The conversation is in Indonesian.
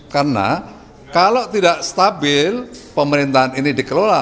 karena kalau tidak stabil pemerintahan ini dikelola